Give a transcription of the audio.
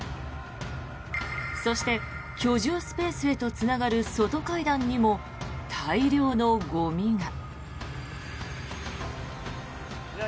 そして、居住スペースへとつながる外階段にも大量のゴミが。